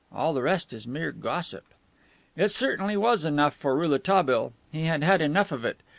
All the rest is mere gossip." It certainly was enough for Rouletabille; he had had enough of it!